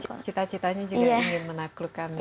jadi kamu cita citanya juga ingin menaklukkan ya